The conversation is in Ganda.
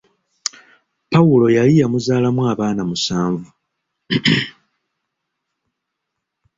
Pawulo yali yamuzaalamu abaana musanvu.